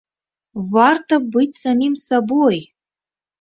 Варта быць самім сабой!